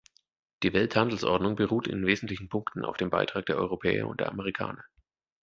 Die Welthandelsordnung beruht in wesentlichen Punkten auf dem Beitrag der Europäer und der Amerikaner.